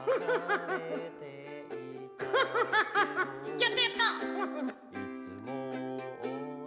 やったやった。